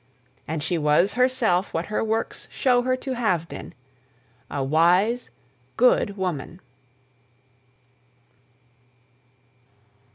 And she was herself what her works show her to have been a wise, good woman.